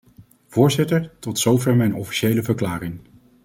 Voorzitter, tot zover mijn officiële verklaring.